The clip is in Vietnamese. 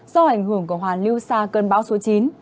do ảnh hưởng của hoàn lưu xa cơn bão số chín